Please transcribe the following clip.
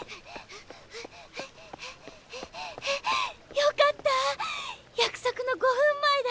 よかった約束の５分前だ。